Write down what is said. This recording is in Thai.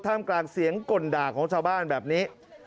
กลางเสียงก่นด่าของชาวบ้านแบบนี้